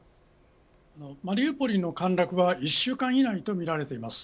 マリウポリの陥落は１週間以内とみられています。